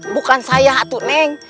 bukan saya hatu neng